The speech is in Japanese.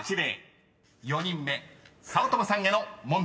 ［４人目早乙女さんへの問題］